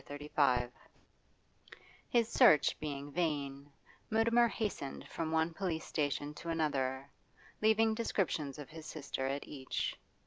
CHAPTER XXXV His search being vain, Mutimer hastened from one police station to another, leaving descriptions of his sister at each.